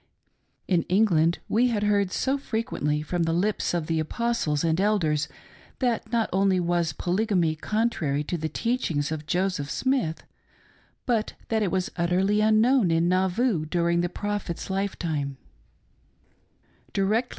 In England we had heard so frequently from the lips of the Apostles and Elders that not only was Poly gamy contrary to the teachings of Joseph Smith, but that it was utterly unknown in Nauvoo during the Prophet's life THE CITY OF THE SAINTS. 247 time.